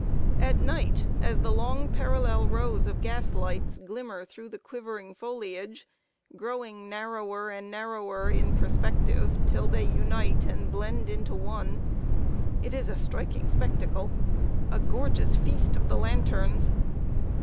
At night, as the long parallel rows of gas lights glimmer through the quivering foliage, growing narrower and narrower in perspective till they unite and blend into one, it is a striking spectacle a gorgeous feast of the lanterns.